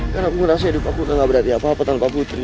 karena aku rasa hidup aku enggak berarti apa tanpa putri